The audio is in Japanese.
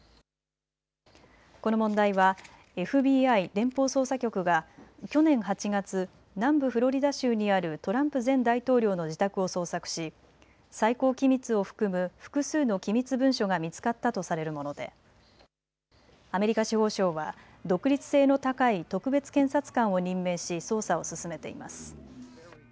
この問題はＦＢＩ・連邦捜査局が去年８月、南部フロリダ州にあるトランプ前大統領の自宅を捜索し最高機密を含む複数の機密文書が見つかったとされるものでアメリカ司法省は独立性の高い特別検察官を任命し捜査を進めています。